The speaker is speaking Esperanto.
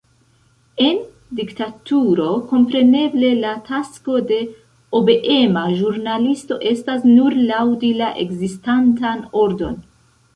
En diktaturo kompreneble la tasko de obeema ĵurnalisto estas nur laŭdi la ekzistantan ordon.